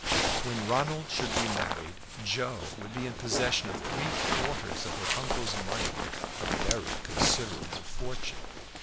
When Ronald should be married, Joe would be in possession of three quarters of her uncle's money a very considerable fortune.